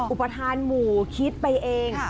อุปทานหมู่คิดไปเอง